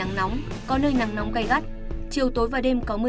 gió nam câm năm